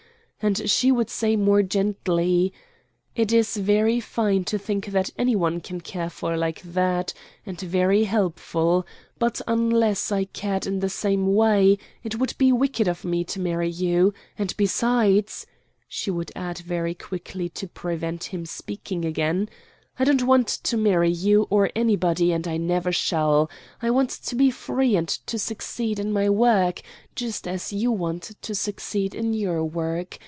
And she would say more gently, "It is very fine to think that any one can care for like that, and very helpful. But unless I cared in the same way it would be wicked of me to marry you, and besides " She would add very quickly to prevent his speaking again "I don't want to marry you or anybody, and I never shall. I want to be free and to succeed in my work, just as you want to succeed in your work.